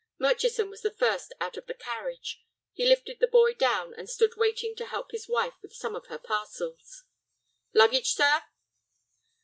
Murchison was the first out of the carriage. He lifted the boy down, and stood waiting to help his wife with some of her parcels. "Luggage, sir?"